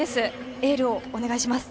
エールをお願いします。